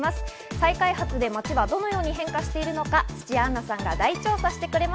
再開発で街はどのように変化してるのか土屋アンナさんが大調査。